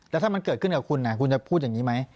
แล้วถ้ามันเกิดขึ้นกับคุณคุณจะพูดอย่างนี้ไหม